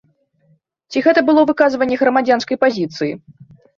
Ці гэта было выказванне грамадзянскай пазіцыі?